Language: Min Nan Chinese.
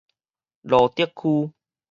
蘆竹區